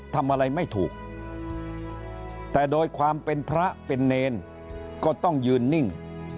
ทำอะไรไม่ถูกแต่โดยความเป็นพระเป็นเนรก็ต้องยืนนิ่ง